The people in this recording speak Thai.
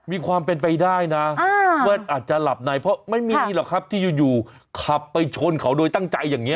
มีความเป็นไปได้นะว่าอาจจะหลับในเพราะไม่มีหรอกครับที่อยู่ขับไปชนเขาโดยตั้งใจอย่างนี้